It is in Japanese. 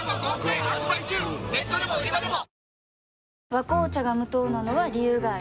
「和紅茶」が無糖なのは、理由があるんよ。